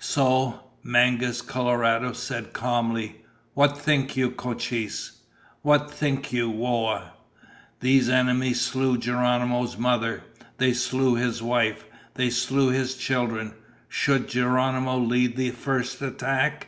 "So?" Mangus Coloradus said calmly. "What think you, Cochise? What think you, Whoa? These enemies slew Geronimo's mother. They slew his wife. They slew his children. Should Geronimo lead the first attack?"